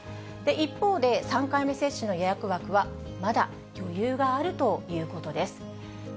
一方で、３回目接種の予約枠は、まだ余裕があるということです。